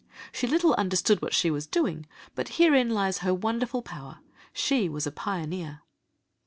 She little understood what she was doing, but herein lies her wonderful power, she was a pioneer.